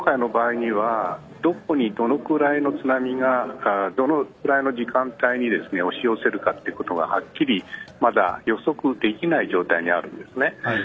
今回の場合はどこに、どのぐらいの津波がどのぐらいの時間帯に押し寄せるかということがはっきりとまだ予測できない状態にあります。